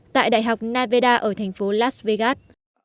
tại đại học nevada ở thành phố las vegas